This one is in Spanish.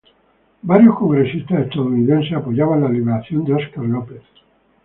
Varios congresistas estadounidenses apoyan la liberación de Oscar López.